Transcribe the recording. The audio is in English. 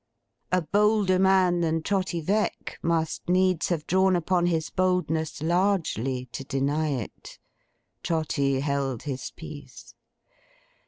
A bolder man than Trotty Veck must needs have drawn upon his boldness largely, to deny it. Trotty held his peace.